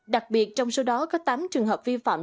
đặc biệt trong số đó có tám trường hợp vi phạm